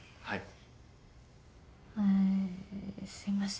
はい。